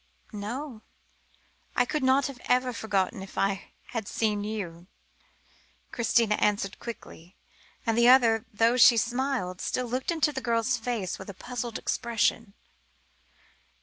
"No, I could not ever forget you if I had seen you," Christina answered quickly; and the other, though she smiled, still looked into the girl's face with a puzzled expression.